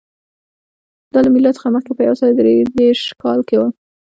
دا له میلاد څخه مخکې په یو سوه درې دېرش کال کې و